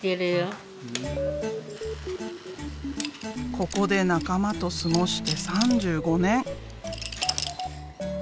ここで仲間と過ごして３５年。